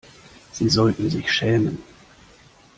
Sie sollten sich schämen!